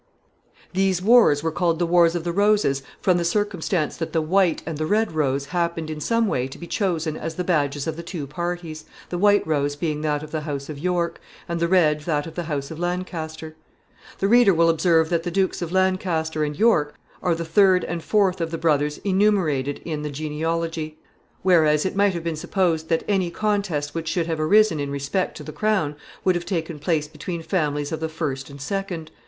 ] These wars were called the wars of the roses from the circumstance that the white and the red rose happened in some way to be chosen as the badges of the two parties the white rose being that of the house of York, and the red that of the house of Lancaster. [Sidenote: The four brothers.] The reader will observe that the dukes of Lancaster and York are the third and fourth of the brothers enumerated in the table, whereas it might have been supposed that any contest which should have arisen in respect to the crown would have taken place between families of the first and second.